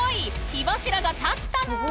火柱が立ったぬん！